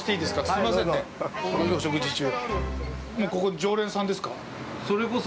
すいませんね、お食事中。